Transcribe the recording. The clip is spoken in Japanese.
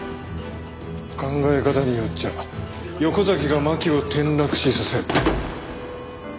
考え方によっちゃ横崎が巻を転落死させ。